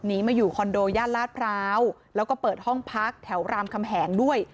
มาอยู่คอนโดย่านลาดพร้าวแล้วก็เปิดห้องพักแถวรามคำแหงด้วย